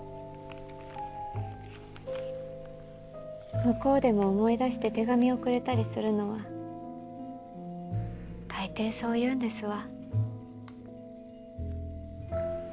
向こうでも思い出して手紙をくれたりするのは大抵そういうんですわ。